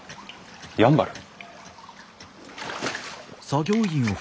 やんばる？